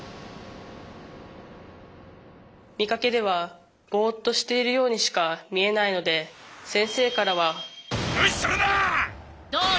見かけではボッとしているようにしか見えないので先生からは無視するな！